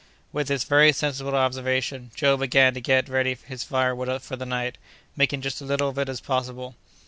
With this very sensible observation, Joe began to get ready his firewood for the night, making just as little of it as possible.